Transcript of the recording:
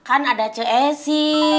kan ada cuy esi